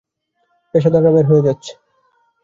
পেশাদাররা বের হয়ে যাচ্ছে!